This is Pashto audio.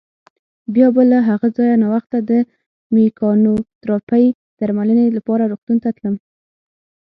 بیا به له هغه ځایه ناوخته د مېکانوتراپۍ درملنې لپاره روغتون ته تلم.